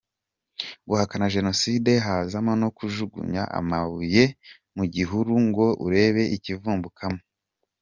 Guhakana Jenoside hazamo no kujugunya amabuye mu gihuru ngo urebe ikivumbukamo.